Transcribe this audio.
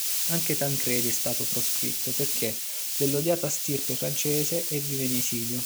Anche Tancredi è stato proscritto perché dell'odiata stirpe francese e vive in esilio.